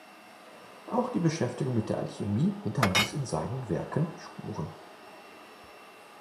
Auch die Beschäftigung mit der Alchemie hinterließ in seinen Werken Spuren.